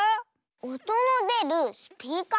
おとのでるスピーカー？